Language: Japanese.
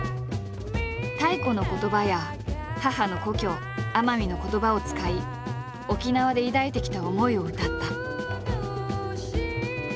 太古の言葉や母の故郷奄美の言葉を使い沖縄で抱いてきた思いを歌った。